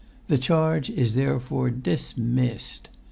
The charge is therefore dis missed.